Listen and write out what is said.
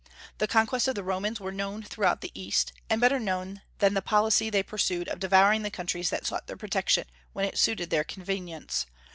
The conquests of the Romans were known throughout the East, and better known than the policy they pursued of devouring the countries that sought their protection when it suited their convenience.